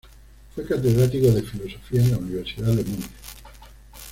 Fue catedrático de filosofía en la Universidad de Múnich.